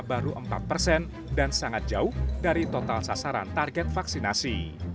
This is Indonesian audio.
baru empat persen dan sangat jauh dari total sasaran target vaksinasi